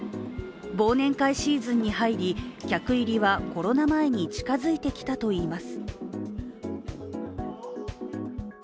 忘年会シーズンに入り、客入りはコロナ前に近づいてきたといいます。